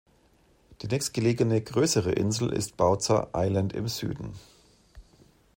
Die nächstgelegene größere Insel ist Bauza Island im Süden.